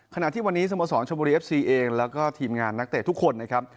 ขณะที่วันนี้สโมสรชมบุรีเอฟซีเองแล้วก็ทีมงานนักเตะทุกคนนะครับ